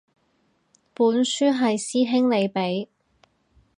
本書係師兄你畀